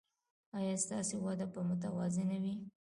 ایا ستاسو وده به متوازنه وي؟